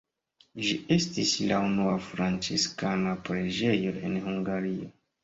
Ĝi estis la unua franciskana preĝejo en Hungario.